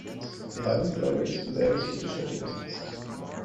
Wir haben, glaube ich, sehr wichtige Schritte gesetzt.